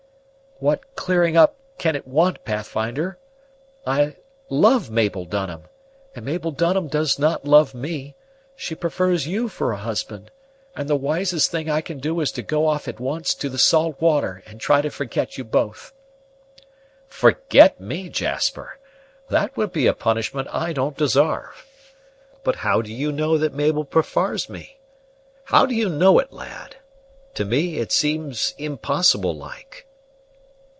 "What clearing up can it want, Pathfinder? I love Mabel Dunham, and Mabel Dunham does not love me; she prefers you for a husband; and the wisest thing I can do is to go off at once to the salt water, and try to forget you both." "Forget me, Jasper! That would be a punishment I don't desarve. But how do you know that Mabel prefars me? How do you know it, lad? To me it seems impossible like!"